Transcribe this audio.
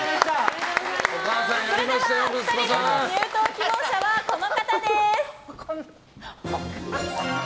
それでは２人目の入党希望者はこの方です。